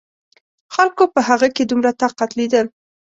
خلکو په هغه کې دومره طاقت لیدل.